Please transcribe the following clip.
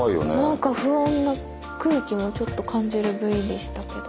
何か不穏な空気もちょっと感じるＶでしたけど。